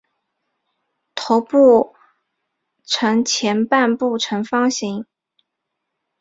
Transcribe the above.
头部前半部呈方形。